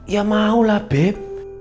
ya maulah beb